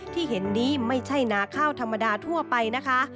ที่เห็นนี้ไม่ใช่นาข้าวธรรมดาทั่วไปนะคะ